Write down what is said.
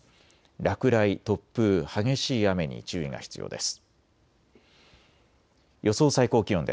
落雷、突風、激しい雨に注意が必要です。